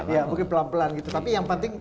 ya mungkin pelan pelan gitu tapi yang penting